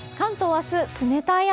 明日、冷たい雨。